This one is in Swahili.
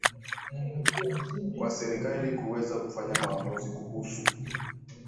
kwa serikali kuweza kufanya maamuzi kuhusu